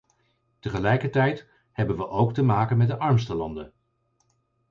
Tegelijkertijd hebben we ook te maken met de armste landen.